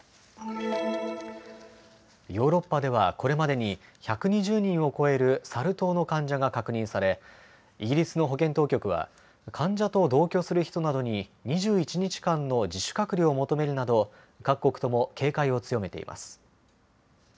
ヨーロッパではこれまでに１２０人を超えるサル痘の患者が確認され、イギリスの保健当局は患者と同居する人などに２１日間の自主隔離を求めるなど各国とも警戒を強めています。